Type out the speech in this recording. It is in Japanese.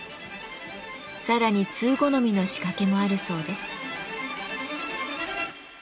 さらに通好みの仕掛けもあるそうです。